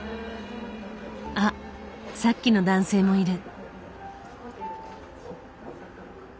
あっさっきの男性もいる。